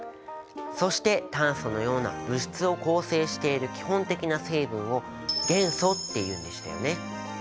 そして炭素のような物質を構成している基本的な成分を元素っていうんでしたよね。